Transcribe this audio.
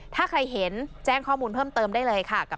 ถ้าใครเห็นแจ้งข้อมูลเพิ่มเติมได้เลยค่ะ